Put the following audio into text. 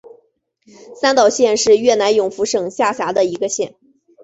三岛县是越南永福省下辖的一个县。